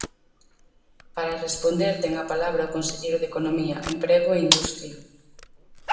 Para responder ten a palabra o conselleiro de Economía, Emprego e Industria.